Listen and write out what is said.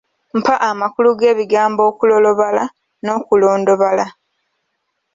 Mpa amakulu g'ebigambo okulolobala n'okulondobala.